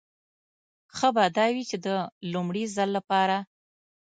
ښه به دا وي چې د لومړي ځل لپاره.